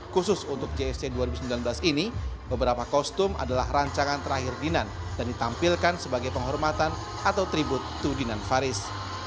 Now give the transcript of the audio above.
khusus untuk jsc dua ribu sembilan belas ini beberapa kostum adalah rancangan terakhir dinan dan ditampilkan sebagai penghormatan atau tribut to dinan faris